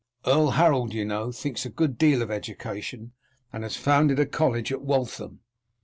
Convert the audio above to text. Earl Harold, you know, thinks a good deal of education, and has founded a college at Waltham.